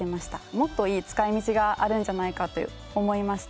もっといい使い道があるんじゃないかと思いまして。